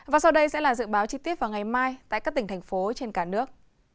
và sau đây sẽ là dự báo chi tiết vào ngày mai tại các tỉnh thành phố trên cả nước